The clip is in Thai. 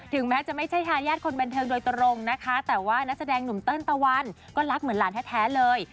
แม้จะไม่ใช่ทายาทคนบันเทิงโดยตรงนะคะแต่ว่านักแสดงหนุ่มเติ้ลตะวันก็รักเหมือนหลานแท้เลย